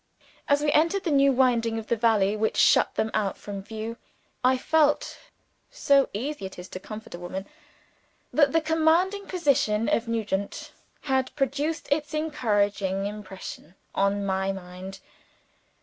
As we entered the new winding of the valley which shut them out from view, I felt (so easy is it to comfort a woman!) that the commanding position of Nugent had produced its encouraging impression on my mind.